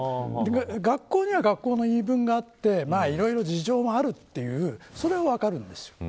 学校には学校の言い分があっていろいろ事情もあるというのは分かるんです。